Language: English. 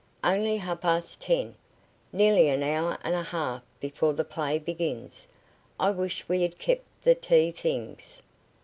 "Only half past ten. Nearly an hour and a half before the play begins. I wish we had kept the tea things."